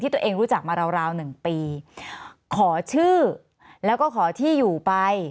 ที่ตัวเองรู้จักมาราว๑ปีขอชื่อแล้วก็ขอที่อยู่ไป